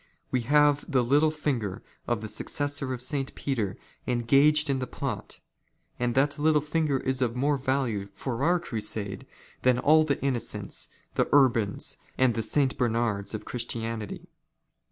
We " have the little finger of the successor of St. Peter engaged in " the plot, and that little finger is of more value for our crusade " than all the Innocents, the Urbans, and the St. Bernards of " Christianity.